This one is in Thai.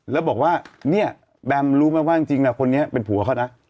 แล้วบอกว่าเนี่ยแบมรู้ไหมว่าจริงคนนี้เป็นผัวเขานะ